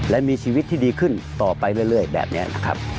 และมีชีวิตที่ดีขึ้นต่อไปเรื่อยแบบนี้นะครับ